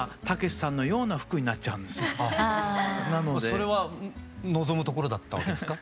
それは望むところだったわけですか？